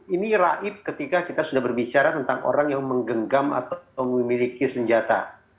ini raib ketika kita sudah berbicara tentang orang yang menggenggam atau memiliki senjata